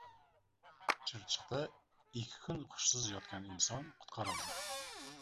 Chirchiqda ikki kun hushsiz yotgan inson qutqarildi